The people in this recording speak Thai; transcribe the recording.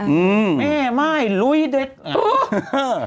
อืมแม่ไม่ลุยเด็กอ๋อฮ่า